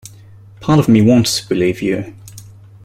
Part of me wants to believe you.